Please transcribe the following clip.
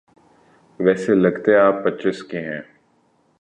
ویسے لگتے آپ پچیس کے ہیں۔